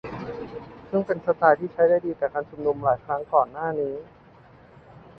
ซึ่งเป็นสไตล์ที่ใช้ได้ดีกับการชุมนุมหลายครั้งก่อนหน้านี้